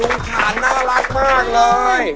ขานน่ารักมากเลย